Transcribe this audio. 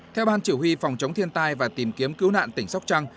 theo ban chỉ huy phòng chống thiên tai và tìm kiếm cứu nạn tỉnh sóc trăng